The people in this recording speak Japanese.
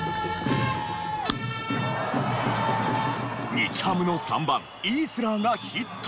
日ハムの３番イースラーがヒット。